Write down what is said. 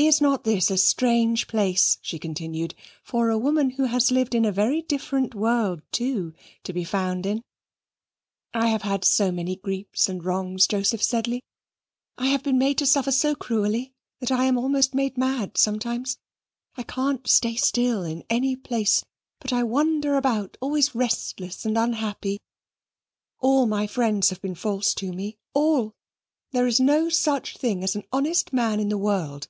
"Is not this a strange place," she continued, "for a woman, who has lived in a very different world too, to be found in? I have had so many griefs and wrongs, Joseph Sedley; I have been made to suffer so cruelly that I am almost made mad sometimes. I can't stay still in any place, but wander about always restless and unhappy. All my friends have been false to me all. There is no such thing as an honest man in the world.